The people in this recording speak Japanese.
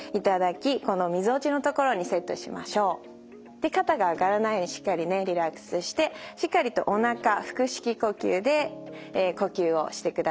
で肩が上がらないようにしっかりねリラックスしてしっかりとおなか腹式呼吸で呼吸をしてください。